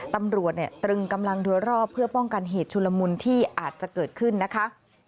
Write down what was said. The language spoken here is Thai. ตำรวจเนี่ยตรึงกำลังโดยรอบเพื่อป้องกันเหตุชุลมุนที่อาจจะเกิดขึ้นนะคะ